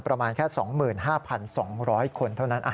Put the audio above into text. ประมาณแค่๒๕๒๐๐คนเท่านั้น